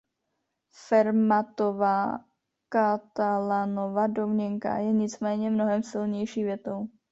Fermatova–Catalanova domněnka je nicméně mnohem silnější větou.